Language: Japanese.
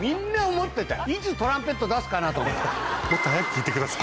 いつトランペット出すかなと思った。